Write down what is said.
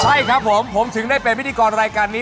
ใช่ครับผมผมถึงได้เป็นพิธีกรรายการนี้